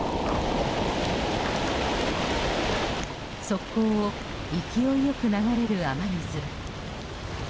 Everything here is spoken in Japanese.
側溝を勢いよく流れる雨水。